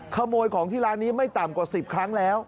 ขโมยของที่ร้านนี้ไม่ต่ำกว่า๑๐ครั้งแล้ว